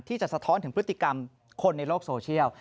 สะท้อนถึงพฤติกรรมคนในโลกโซเชียล